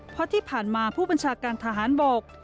เพราะที่ผ่านมาผู้บัญชาการทหารบก